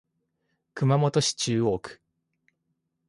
熊本市中央区